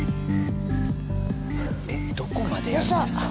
えっどこまでやるんですか？